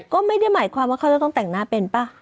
ก็ไม่ได้หมายความว่าเขาจะต้องแต่งหน้าเป็นป่ะ